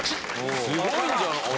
すごいんじゃない？